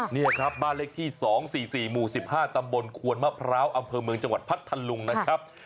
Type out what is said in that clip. นี่ครับบ้านเลขที่๒๔๔หมู่๑๕ตำบลควนมะพร้าวอำเภอเมืองจังหวัดพัทธลุงนะครับ